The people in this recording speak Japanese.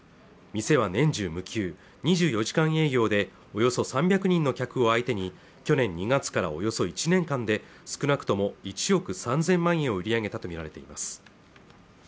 店は年中無休２４時間営業でおよそ３００人の客を相手に去年２月からおよそ１年間で少なくとも１億３０００万円を売り上げたとみられています